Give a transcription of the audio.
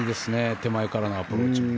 手前からのアプローチ。